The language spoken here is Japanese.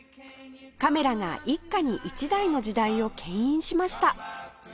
カメラが一家に一台の時代を牽引しました